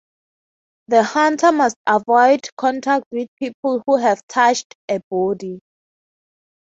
The hunter must avoid contact with people who have touched a body.